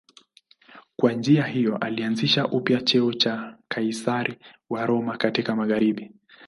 Kwa njia hiyo alianzisha upya cheo cha Kaizari wa Roma katika magharibi.